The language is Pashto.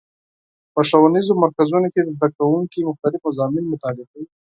په ښوونیزو مرکزونو کې زدهکوونکي مختلف مضامین مطالعه کوي.